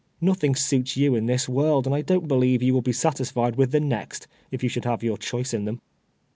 Nothing suits you in this world, and I don'1 believe von will be satisfied with the next, if you should have your choice in them."